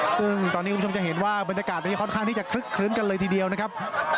ซึ่งตอนนี้คุณผู้ชมจะเห็นว่าบรรยากาศนี้ค่อนข้างที่จะคลึกคลื้นกันเลยทีเดียวนะครับ